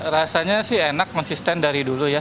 rasanya sih enak konsisten dari dulu ya